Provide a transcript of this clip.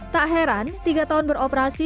tak heran tiga tahun beroperasi